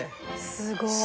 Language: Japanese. すごい。